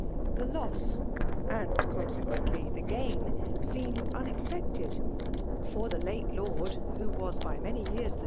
The losig, and, coiiseqoently, the gain, seemed unexpected. For the late lord, who was by many years the VOL.